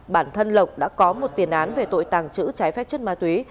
bản thân lộc đã có một tiền án về tội tàng trữ trái phép chất ma túy